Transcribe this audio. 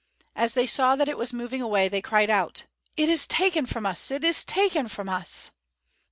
As they saw that it was moving away they cried out: "It is taken from us! it is taken from us!"